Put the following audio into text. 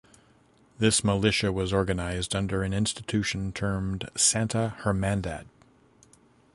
This militia was organized under an institution termed Santa Hermandad.